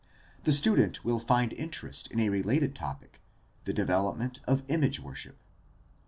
The student will find interest in a related topic — the development of image worship.